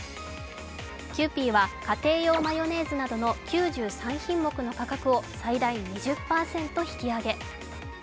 キユーピーは家庭用マヨネーズなどの９３品目の価格を最大２０％引き上げ。